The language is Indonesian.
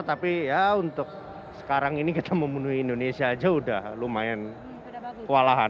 tapi ya untuk sekarang ini kita memenuhi indonesia aja udah lumayan kewalahan